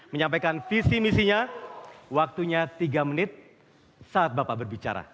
menyampaikan visi misinya waktunya tiga menit saat bapak berbicara